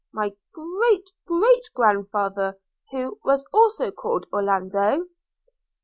My great great grandfather, who was also called Orlando .